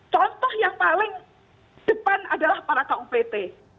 contoh yang paling depan adalah para kuvt